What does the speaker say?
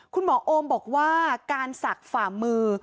คุณหมอโอมบอกว่าการสักฝ่ามือ